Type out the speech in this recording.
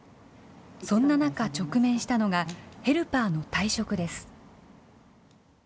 そんな中、直面したのが、ヘルパーの退職です。